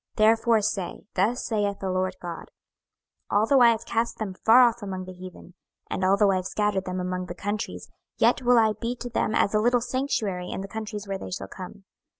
26:011:016 Therefore say, Thus saith the Lord GOD; Although I have cast them far off among the heathen, and although I have scattered them among the countries, yet will I be to them as a little sanctuary in the countries where they shall come.